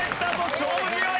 勝負強い！